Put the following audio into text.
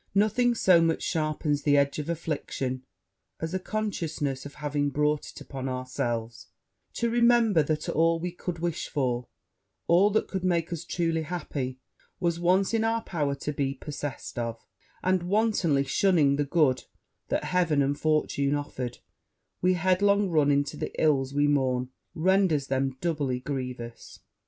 Nothing so much sharpens the edge of affliction as a consciousness of having brought it upon ourselves, to remember that all we could wish for, all that could make us truly happy, was once in our power to be possessed of; and wantonly shunning the good that Heaven and fortune offered, we headlong run into the ills we mourn, rendering them doubly grievous.